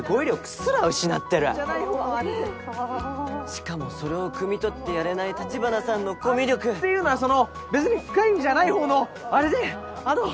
しかもそれをくみ取ってやれない橘さんのコミュ力！っていうのはその別に深い意味じゃない方のあれであの。